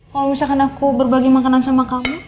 kalau misalkan aku berbagi makanan sama kamu